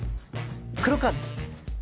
黒川です